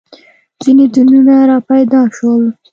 • ځینې دینونه راپیدا شول.